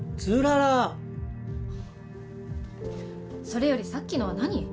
それよりさっきのは何？